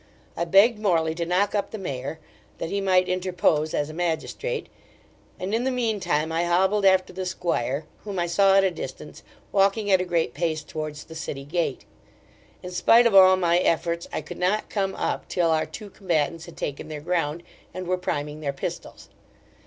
I begged Morley to knock up the mayor, that he might interpose as a magistrate, and in the mean time I hobbled after the squire, whom I saw at a distance walking at a great pace towards the city gate in spite of all my efforts, I could not come up till our two combatants had taken their ground, and were priming their pistols.